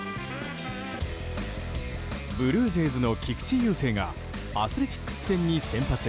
ブルージェイズの菊池雄星がアスレチックス戦に先発。